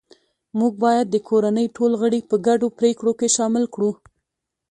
موږ باید د کورنۍ ټول غړي په ګډو پریکړو کې شامل کړو